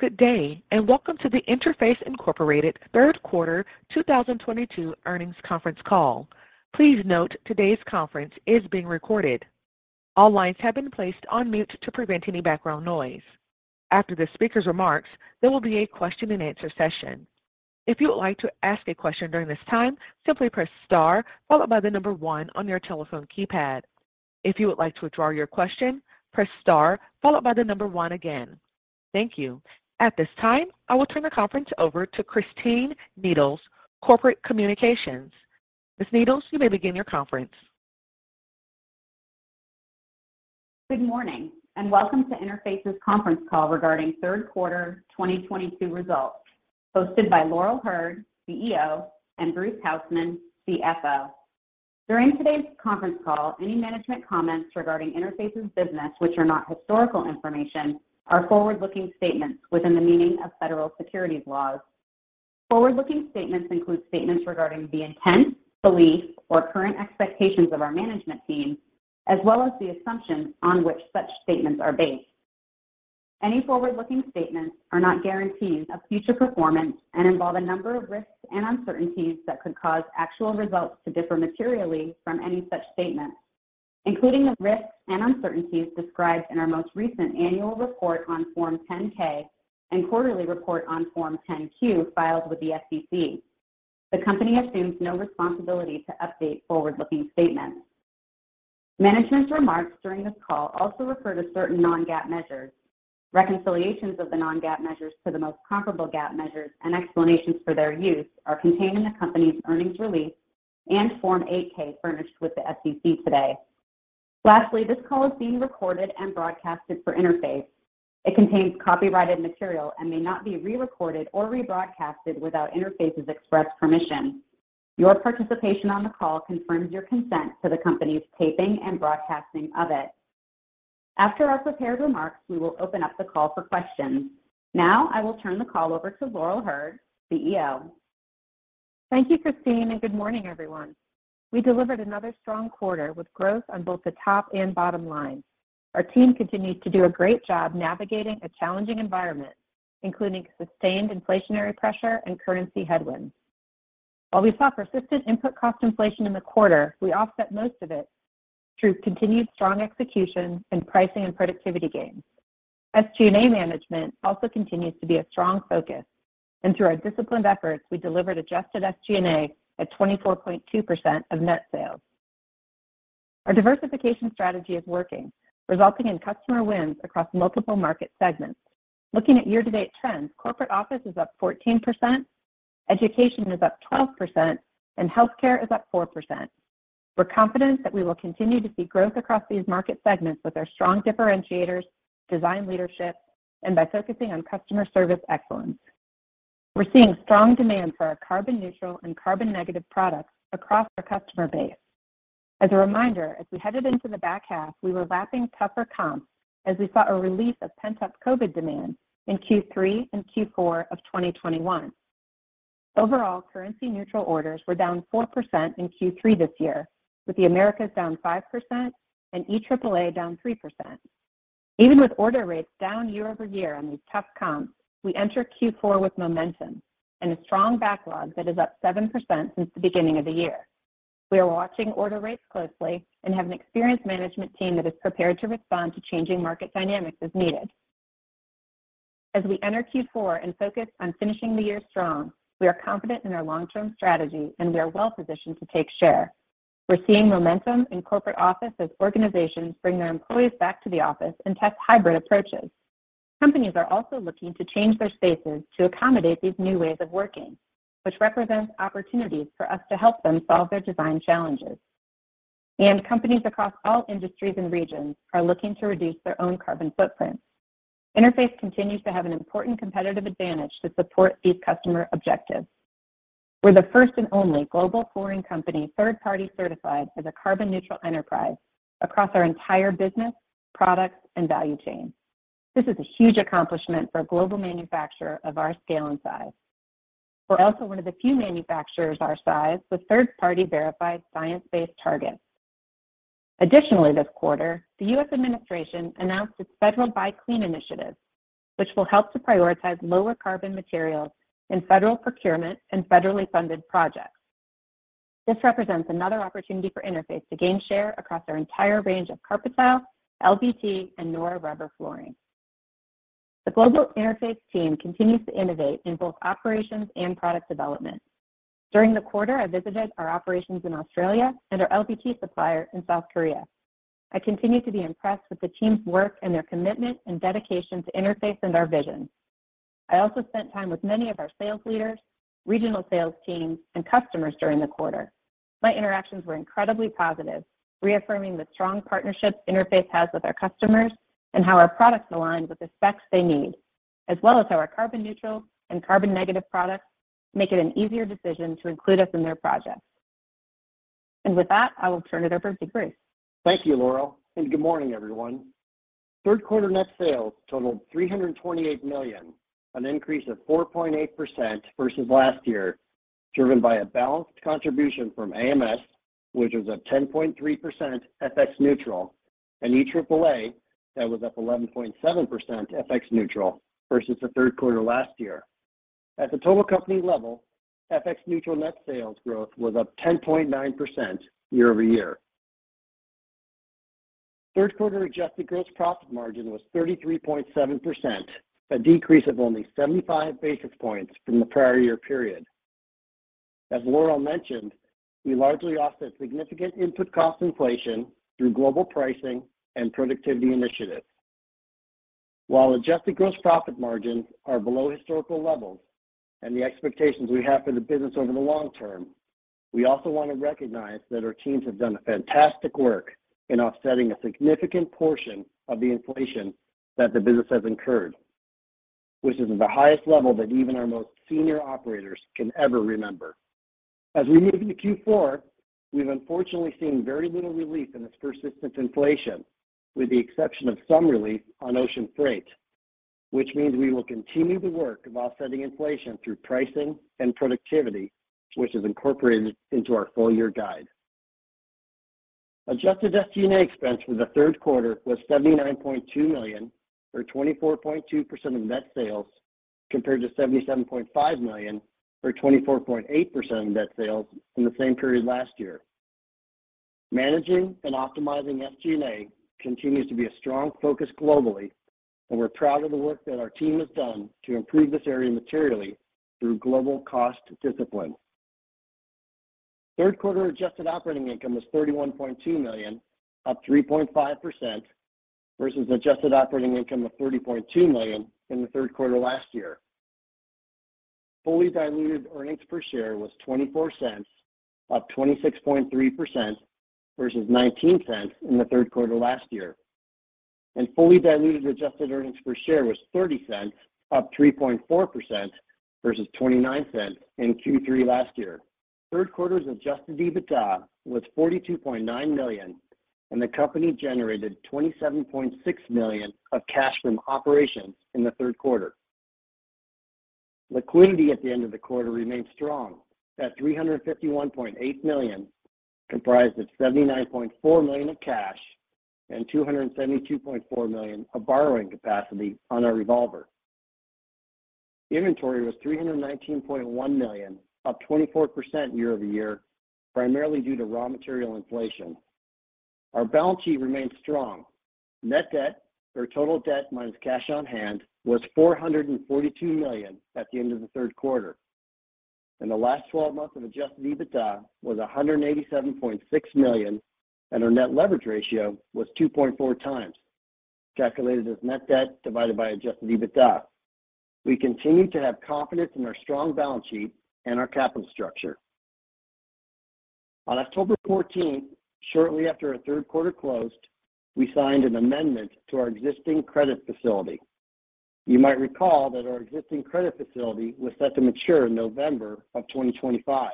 Good day, and welcome to the Interface, Inc. third quarter 2022 earnings conference call. Please note today's conference is being recorded. All lines have been placed on mute to prevent any background noise. After the speaker's remarks, there will be a question-and-answer session. If you would like to ask a question during this time, simply press star followed by the number one on your telephone keypad. If you would like to withdraw your question, press star followed by the number one again. Thank you. At this time, I will turn the conference over to Christine Needles, Corporate Communications. Ms. Needles, you may begin your conference. Good morning and welcome to Interface's conference call regarding third quarter 2022 results, hosted by Laurel Hurd, CEO, and Bruce Hausmann, CFO. During today's conference call, any management comments regarding Interface's business, which are not historical information, are forward-looking statements within the meaning of federal securities laws. Forward-looking statements include statements regarding the intent, belief, or current expectations of our management team, as well as the assumptions on which such statements are based. Any forward-looking statements are not guarantees of future performance and involve a number of risks and uncertainties that could cause actual results to differ materially from any such statements, including the risks and uncertainties described in our most recent annual report on Form 10-K and quarterly report on Form 10-Q filed with the SEC. The company assumes no responsibility to update forward-looking statements. Management's remarks during this call also refer to certain non-GAAP measures. Reconciliations of the non-GAAP measures to the most comparable GAAP measures and explanations for their use are contained in the company's earnings release and Form 8-K furnished with the SEC today. Lastly, this call is being recorded and broadcasted for Interface. It contains copyrighted material and may not be re-recorded or rebroadcasted without Interface's express permission. Your participation on the call confirms your consent to the company's taping and broadcasting of it. After our prepared remarks, we will open up the call for questions. Now I will turn the call over to Laurel Hurd, CEO. Thank you, Christine, and good morning, everyone. We delivered another strong quarter with growth on both the top and bottom line. Our team continued to do a great job navigating a challenging environment, including sustained inflationary pressure and currency headwinds. While we saw persistent input cost inflation in the quarter, we offset most of it through continued strong execution and pricing and productivity gains. SG&A management also continues to be a strong focus, and through our disciplined efforts, we delivered adjusted SG&A at 24.2% of net sales. Our diversification strategy is working, resulting in customer wins across multiple market segments. Looking at year-to-date trends, corporate office is up 14%, education is up 12%, and healthcare is up 4%. We're confident that we will continue to see growth across these market segments with our strong differentiators, design leadership, and by focusing on customer service excellence. We're seeing strong demand for our carbon neutral and carbon negative products across our customer base. As a reminder, as we headed into the back half, we were lapping tougher comps as we saw a release of pent-up COVID demand in Q3 and Q4 of 2021. Overall, currency neutral orders were down 4% in Q3 this year, with the Americas down 5% and EAAA down 3%. Even with order rates down year-over-year on this tough comp, we enter Q4 with momentum and a strong backlog that is up 7% since the beginning of the year. We are watching order rates closely and have an experienced management team that is prepared to respond to changing market dynamics as needed. As we enter Q4 and focus on finishing the year strong, we are confident in our long-term strategy, and we are well-positioned to take share. We're seeing momentum in corporate office as organizations bring their employees back to the office and test hybrid approaches. Companies are also looking to change their spaces to accommodate these new ways of working, which represents opportunities for us to help them solve their design challenges. Companies across all industries and regions are looking to reduce their own carbon footprint. Interface continues to have an important competitive advantage to support these customer objectives. We're the first and only global flooring company third-party certified as a Carbon Neutral Enterprise across our entire business, products, and value chain. This is a huge accomplishment for a global manufacturer of our scale and size. We're also one of the few manufacturers our size with third-party verified Science-based Targets. Additionally, this quarter, the U.S. administration announced its Federal Buy Clean Initiative, which will help to prioritize lower carbon materials in federal procurement and federally funded projects. This represents another opportunity for Interface to gain share across our entire range of carpet tile, LVT, and nora rubber flooring. The global Interface team continues to innovate in both operations and product development. During the quarter, I visited our operations in Australia and our LVT supplier in South Korea. I continue to be impressed with the team's work and their commitment and dedication to Interface and our vision. I also spent time with many of our sales leaders, regional sales teams, and customers during the quarter. My interactions were incredibly positive, reaffirming the strong partnership Interface has with our customers and how our products align with the specs they need, as well as how our carbon neutral and carbon negative products make it an easier decision to include us in their projects. With that, I will turn it over to Bruce. Thank you, Laurel, and good morning, everyone. Third quarter net sales totaled $328 million, an increase of 4.8% versus last year. Driven by a balanced contribution from AMS, which was up 10.3% FX neutral, and EAAA, that was up 11.7% FX neutral versus the third quarter last year. At the total company level, FX neutral net sales growth was up 10.9% year-over-year. Third quarter adjusted gross profit margin was 33.7%, a decrease of only 75 basis points from the prior year period. As Laurel mentioned, we largely offset significant input cost inflation through global pricing and productivity initiatives. While adjusted gross profit margins are below historical levels and the expectations we have for the business over the long term, we also want to recognize that our teams have done fantastic work in offsetting a significant portion of the inflation that the business has incurred, which is the highest level that even our most senior operators can ever remember. As we move into Q4, we've unfortunately seen very little relief in this persistent inflation. With the exception of some relief on ocean freight, which means we will continue the work of offsetting inflation through pricing and productivity, which is incorporated into our full year guide. Adjusted SG&A expense for the third quarter was $79.2 million, or 24.2% of net sales, compared to $77.5 million or 24.8% of net sales in the same period last year. Managing and optimizing SG&A continues to be a strong focus globally, and we're proud of the work that our team has done to improve this area materially through global cost discipline. Third quarter adjusted operating income was $31.2 million, up 3.5% versus adjusted operating income of $30.2 million in the third quarter last year. Fully diluted earnings per share was $0.24, up 26.3% versus $0.19 in the third quarter last year, and fully diluted adjusted earnings per share was $0.30, up 3.4% versus $0.29 in Q3 last year. Third quarter's adjusted EBITDA was $42.9 million, and the company generated $27.6 million of cash from operations in the third quarter. Liquidity at the end of the quarter remained strong at $351.8 million, comprised of $79.4 million of cash and $272.4 million of borrowing capacity on our revolver. Inventory was $319.1 million, up 24% year over year, primarily due to raw material inflation. Our balance sheet remains strong. Net debt or total debt minus cash on hand was $442 million at the end of the third quarter. The last 12 months of adjusted EBITDA was $187.6 million, and our net leverage ratio was 2.4x, calculated as net debt divided by adjusted EBITDA. We continue to have confidence in our strong balance sheet and our capital structure. On October 14th, shortly after our third quarter closed, we signed an amendment to our existing credit facility. You might recall that our existing credit facility was set to mature in November of 2025.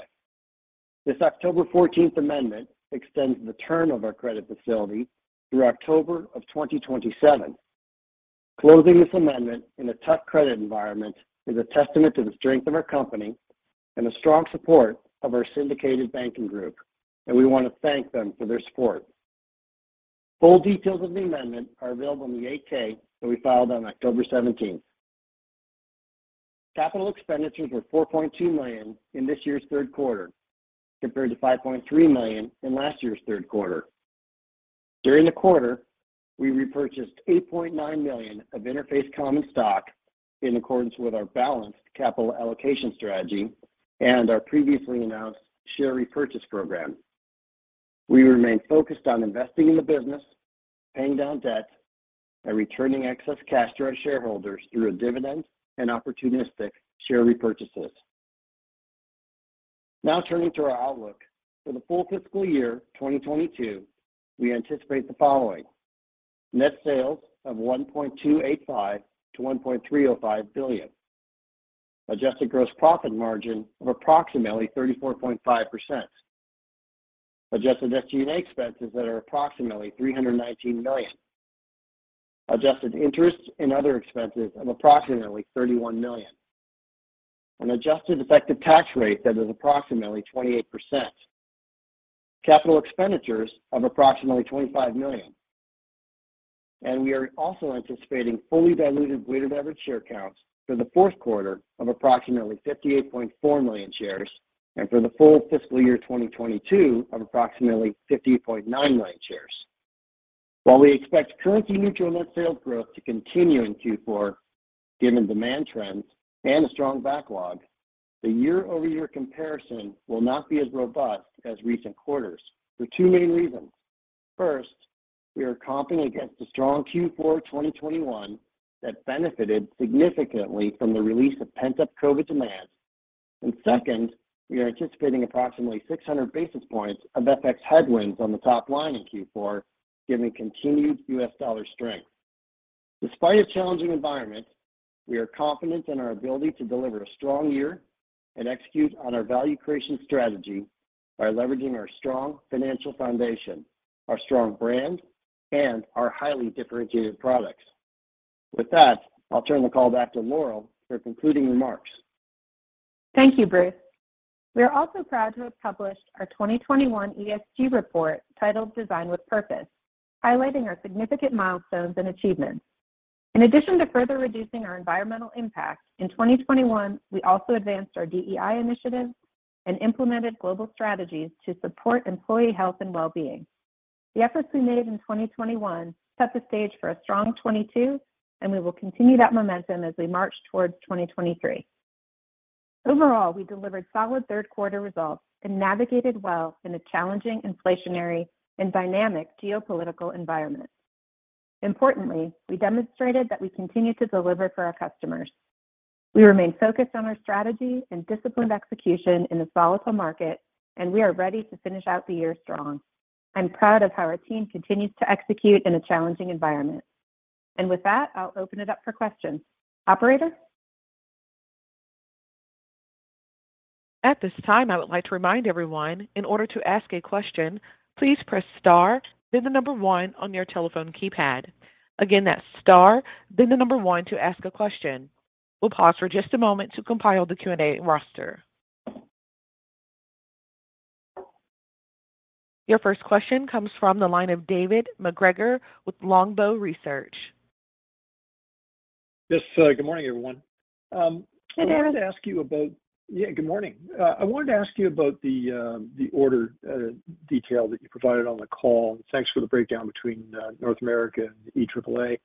This October 14th amendment extends the term of our credit facility through October of 2027. Closing this amendment in a tough credit environment is a testament to the strength of our company and the strong support of our syndicated banking group, and we want to thank them for their support. Full details of the amendment are available in the 8-K that we filed on October 17th. Capital expenditures were $4.2 million in this year's third quarter, compared to $5.3 million in last year's third quarter. During the quarter, we repurchased 8.9 million shares of Interface common stock in accordance with our balanced capital allocation strategy and our previously announced share repurchase program. We remain focused on investing in the business, paying down debt, and returning excess cash to our shareholders through a dividend and opportunistic share repurchases. Now turning to our outlook. For the full fiscal year 2022, we anticipate the following. Net sales of $1.285 billion-$1.305 billion. Adjusted gross profit margin of approximately 34.5%. Adjusted SG&A expenses that are approximately $319 million. Adjusted interest and other expenses of approximately $31 million. An adjusted effective tax rate that is approximately 28%. Capital expenditures of approximately $25 million. We are also anticipating fully diluted weighted average share counts for the fourth quarter of approximately 58.4 million shares and for the full fiscal year 2022 of approximately 50.9 million shares. While we expect currency neutral net sales growth to continue in Q4, given demand trends and a strong backlog, the year-over-year comparison will not be as robust as recent quarters for two main reasons. First, we are comping against a strong Q4 2021 that benefited significantly from the release of pent-up COVID demand. Second, we are anticipating approximately 600 basis points of FX headwinds on the top line in Q4, given continued US dollar strength. Despite a challenging environment, we are confident in our ability to deliver a strong year and execute on our value creation strategy by leveraging our strong financial foundation, our strong brand, and our highly differentiated products. With that, I'll turn the call back to Laurel for concluding remarks. Thank you, Bruce. We are also proud to have published our 2021 ESG Report titled Design with Purpose, highlighting our significant milestones and achievements. In addition to further reducing our environmental impact, in 2021 we also advanced our DEI initiatives and implemented global strategies to support employee health and wellbeing. The efforts we made in 2021 set the stage for a strong 2022, and we will continue that momentum as we march towards 2023. Overall, we delivered solid third quarter results and navigated well in a challenging inflationary and dynamic geopolitical environment. Importantly, we demonstrated that we continue to deliver for our customers. We remain focused on our strategy and disciplined execution in a volatile market, and we are ready to finish out the year strong. I'm proud of how our team continues to execute in a challenging environment. With that, I'll open it up for questions. Operator? At this time, I would like to remind everyone in order to ask a question, please press star, then the number one on your telephone keypad. Again, that's star, then the number one to ask a question. We'll pause for just a moment to compile the Q&A roster. Your first question comes from the line of David MacGregor with Longbow Research. Yes. Good morning, everyone. Hey, David. Yeah, good morning. I wanted to ask you about the order detail that you provided on the call, and thanks for the breakdown between North America and EAAA.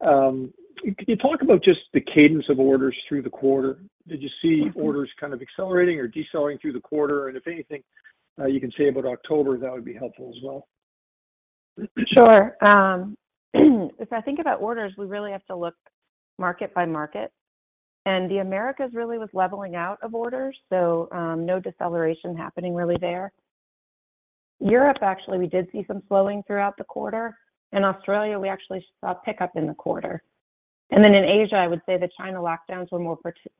Can you talk about just the cadence of orders through the quarter? Did you see orders kind of accelerating or decelerating through the quarter? If anything you can say about October, that would be helpful as well. Sure. If I think about orders, we really have to look market-by-market. The Americas really was leveling out of orders, so no deceleration happening really there. Europe, actually, we did see some slowing throughout the quarter. In Australia, we actually saw a pickup in the quarter. Then in Asia, I would say the China lockdowns were more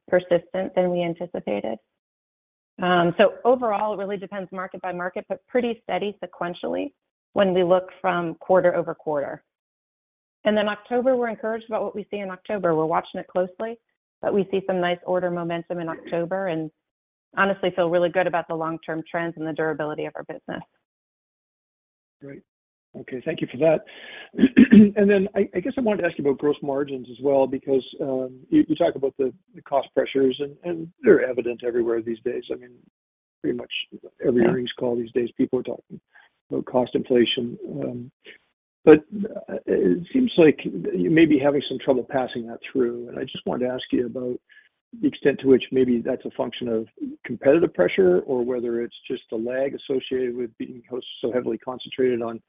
persistent than we anticipated. Overall, it really depends market-by-market, but pretty steady sequentially when we look from quarter-over-quarter. October, we're encouraged about what we see in October. We're watching it closely, but we see some nice order momentum in October, and honestly feel really good about the long-term trends and the durability of our business. Great. Okay. Thank you for that. I guess I wanted to ask you about gross margins as well, because you talk about the cost pressures and they're evident everywhere these days. I mean, pretty much every earnings call these days, people are talking about cost inflation. It seems like you may be having some trouble passing that through, and I just wanted to ask you about the extent to which maybe that's a function of competitive pressure or whether it's just a lag associated with being so heavily concentrated on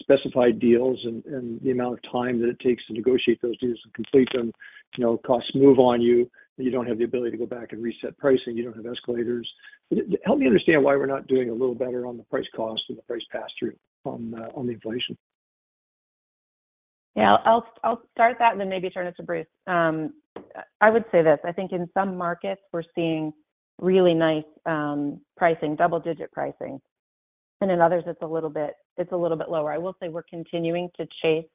specified deals and the amount of time that it takes to negotiate those deals and complete them. You know, costs move on you, and you don't have the ability to go back and reset pricing. You don't have escalators. Help me understand why we're not doing a little better on the price cost and the price pass-through on the inflation. Yeah. I'll start that and then maybe turn it to Bruce. I would say this, I think in some markets we're seeing really nice pricing, double-digit pricing. In others it's a little bit lower. I will say we're continuing to chase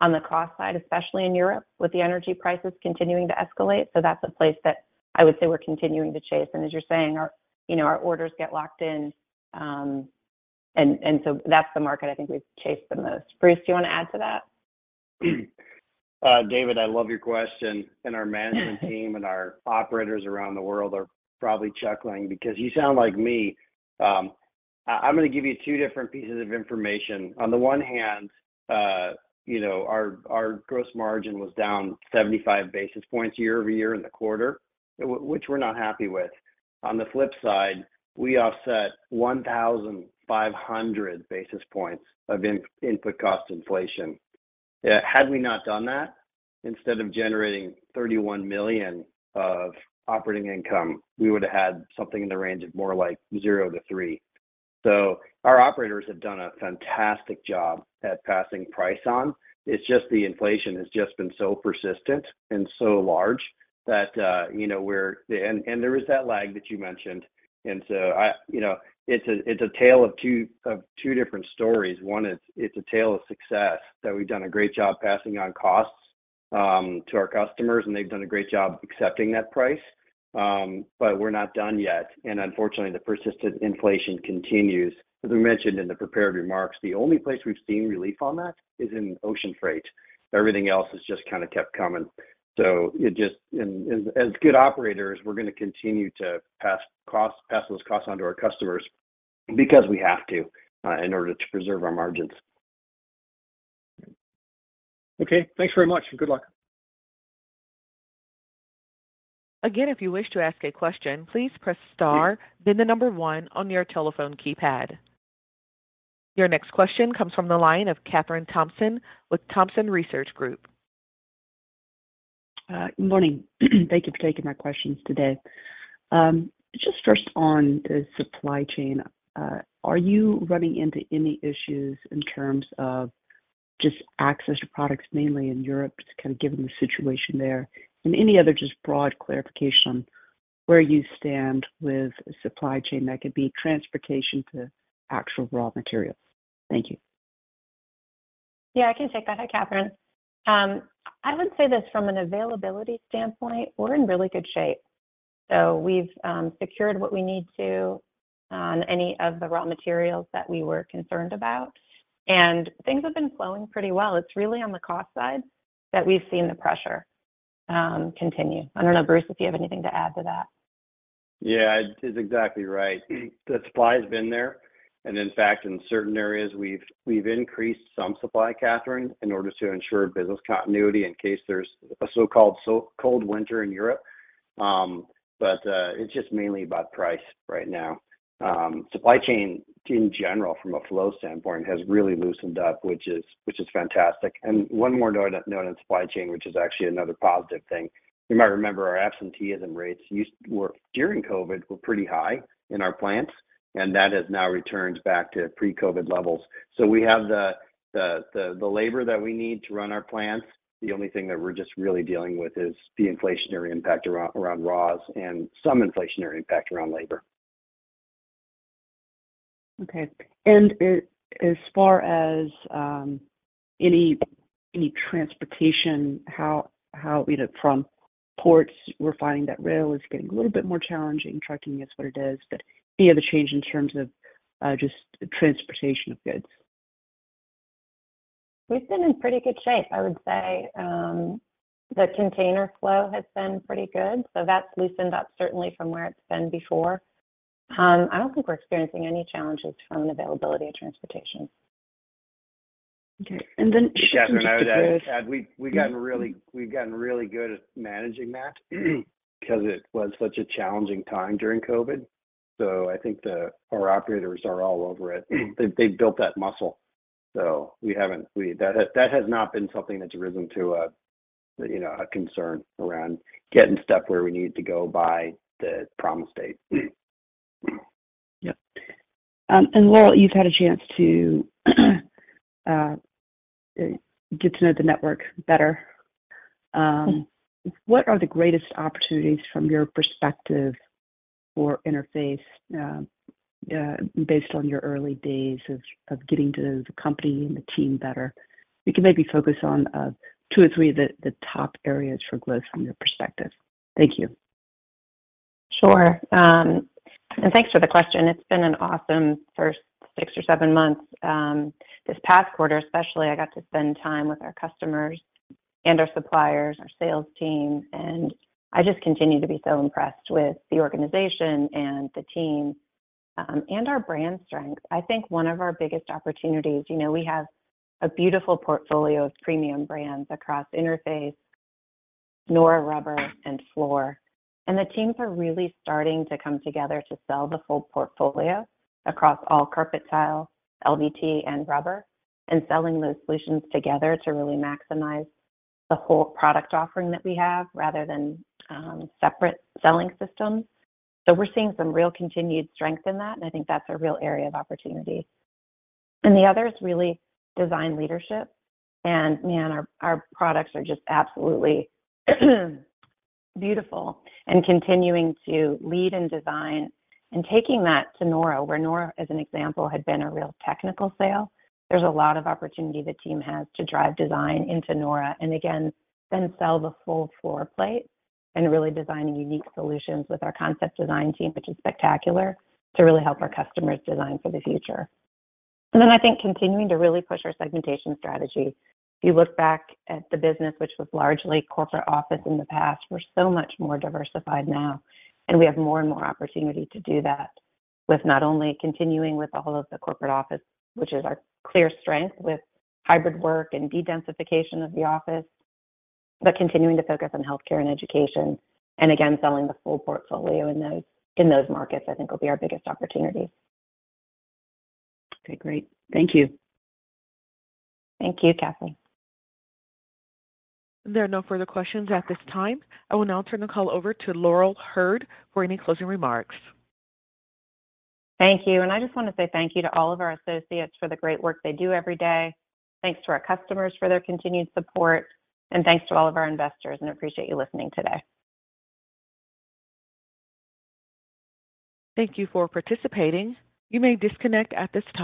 on the cost side, especially in Europe with the energy prices continuing to escalate. That's a place that I would say we're continuing to chase. As you're saying our, you know, our orders get locked in, and so that's the market I think we've chased the most. Bruce, do you wanna add to that? David, I love your question. Our management team and our operators around the world are probably chuckling because you sound like me. I'm gonna give you two different pieces of information. On the one hand, you know, our gross margin was down 75 basis points year-over-year in the quarter, which we're not happy with. On the flip side, we offset 1,500 basis points of input cost inflation. Had we not done that, instead of generating $31 million of operating income, we would've had something in the range of more like $0-$3 million. Our operators have done a fantastic job at passing price on. It's just the inflation has just been so persistent and so large that, you know, where — and there is that lag that you mentioned. And so I, you know, it's a tale of two different stories. One is it's a tale of success, that we've done a great job passing on costs to our customers, and they've done a great job accepting that price. We're not done yet, and unfortunately, the persistent inflation continues. As we mentioned in the prepared remarks, the only place we've seen relief on that is in ocean freight. Everything else has just kind of kept coming. As good operators, we're gonna continue to pass those costs on to our customers because we have to in order to preserve our margins. Okay. Thanks very much, and good luck. Again, if you wish to ask a question, please press star the number one on your telephone keypad. Your next question comes from the line of Kathryn Thompson with Thompson Research Group. Good morning. Thank you for taking my questions today. Just first on the supply chain, are you running into any issues in terms of just access to products, mainly in Europe, just kind of given the situation there? Any other just broad clarification on where you stand with supply chain? That could be transportation to actual raw materials. Thank you. Yeah, I can take that. Hi, Kathryn. I would say this from an availability standpoint, we're in really good shape. We've secured what we need to on any of the raw materials that we were concerned about, and things have been flowing pretty well. It's really on the cost side that we've seen the pressure continue. I don't know, Bruce, if you have anything to add to that. Yeah. It's exactly right. The supply has been there. And in fact, in certain areas, we've increased some supply, Kathryn, in order to ensure business continuity in case there's a so-called cold winter in Europe. It's just mainly about price right now. Supply chain in general from a flow standpoint has really loosened up, which is fantastic. One more note on supply chain, which is actually another positive thing. You might remember our absenteeism rates during COVID were pretty high in our plants, and that has now returned back to pre-COVID levels. We have the labor that we need to run our plants. The only thing that we're just really dealing with is the inflationary impact around raws and some inflationary impact around labor. Okay. As far as any transportation, how you know from ports, we're finding that rail is getting a little bit more challenging. Trucking is what it is, but any other change in terms of just transportation of goods? We've been in pretty good shape, I would say. The container flow has been pretty good, so that's loosened up certainly from where it's been before. I don't think we're experiencing any challenges from an availability of transportation. Okay. Switching to goods— Kathryn, just to add, we've gotten really good at managing that because it was such a challenging time during COVID, so I think our operators are all over it. They've built that muscle, so we haven't. That has not been something that's risen to a, you know, a concern around getting stuff where we need to go by the promised date. Yep. Laurel, you've had a chance to get to know the network better. What are the greatest opportunities from your perspective for Interface, based on your early days of getting to know the company and the team better? You can maybe focus on two or three of the top areas for growth from your perspective. Thank you. Sure. Thanks for the question. It's been an awesome first six or seven months. This past quarter especially, I got to spend time with our customers and our suppliers, our sales team, and I just continue to be so impressed with the organization and the team, and our brand strength. I think one of our biggest opportunities, you know, we have a beautiful portfolio of premium brands across Interface, nora rubber, and FLOR, and the teams are really starting to come together to sell the full portfolio across all carpet tile, LVT, and rubber, and selling those solutions together to really maximize the whole product offering that we have, rather than, separate selling systems. We're seeing some real continued strength in that, and I think that's a real area of opportunity. The other is really design leadership, and man, our products are just absolutely beautiful and continuing to lead in design and taking that to nora, where nora, as an example, had been a real technical sale. There's a lot of opportunity the team has to drive design into nora, and again, then sell the full floor plate and really design unique solutions with our concept design team, which is spectacular, to really help our customers design for the future. Then I think continuing to really push our segmentation strategy. If you look back at the business, which was largely corporate office in the past, we're so much more diversified now, and we have more and more opportunity to do that with not only continuing with all of the corporate office, which is our clear strength with hybrid work and de-densification of the office, but continuing to focus on healthcare and education, and again, selling the full portfolio in those markets, I think will be our biggest opportunity. Okay, great. Thank you. Thank you, Kathryn. There are no further questions at this time. I will now turn the call over to Laurel Hurd for any closing remarks. Thank you. I just wanna say thank you to all of our associates for the great work they do every day. Thanks to our customers for their continued support, and thanks to all of our investors, and appreciate you listening today. Thank you for participating. You may disconnect at this time.